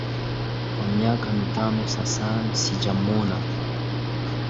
Kwa miaka mitano sasan sijamwona